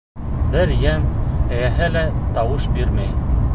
Бер йән эйәһе лә тауыш бирмәй.